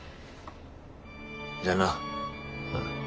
じゃあな。